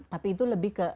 tapi itu lebih ke